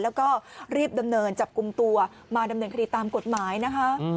แล้วก็รีบดำเนินจับกลุ่มตัวมาดำเนินคดีตามกฎหมายนะคะ